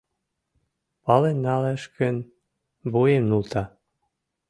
Пален налеш гын, вуем нулта.